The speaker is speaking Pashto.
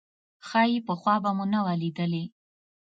ښايي پخوا به مو نه وه لیدلې.